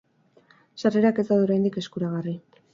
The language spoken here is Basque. Sarrerak ez daude oraindik eskuragarri.